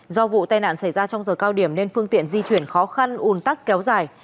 do vụ tai nạn xảy ra trong giờ cao điểm nên phương tiện di chuyển khó khăn un tắc kéo dài